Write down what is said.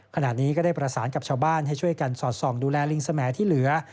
ขณะนี้ก็ได้ประสานกับชาวบ้านให้ช่วยกันสอดส่องดูแลลิงสมแอที่เหลือ